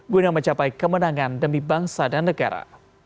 guna mencapai kemenangan demi bangsa dan negara